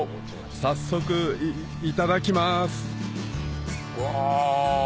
早速いただきますうわ